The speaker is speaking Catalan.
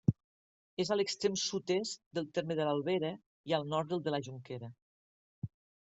És a l'extrem sud-est del terme de l'Albera i al nord del de la Jonquera.